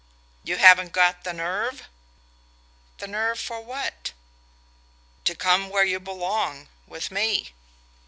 "You haven't got the nerve?" "The nerve for what?" "To come where you belong: with me."